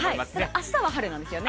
あしたは晴れなんですよね？